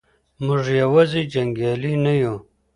موږ یوازې جنګیالي نه یو.